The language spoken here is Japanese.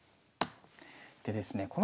でですね